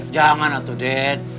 jangan atuh dad